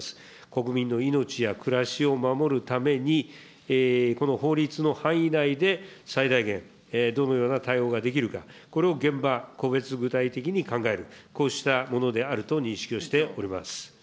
国民の命や暮らしを守るために、この法律の範囲内で、最大限、どのような対応ができるか、これを現場、個別具体的に考える、こうしたものであると認識をしております。